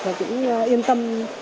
và cũng yên tâm